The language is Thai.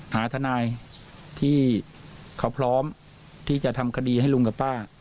หาทนายที่เขาพร้อมที่จะทำคดีให้ลุงกับป้า